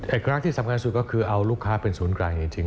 อีกครั้งที่สำคัญสุดก็คือเอาลูกค้าเป็นศูนย์กลางจริง